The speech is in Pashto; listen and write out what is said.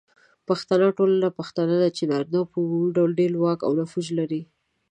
پښتنه ټولنه پښتنه ده، چې نارینه په عمومي ډول ډیر واک او نفوذ لري.